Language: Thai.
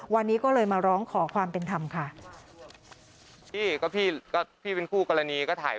วันนี้ก็เลยมาร้องขอความเป็นธรรมค่ะ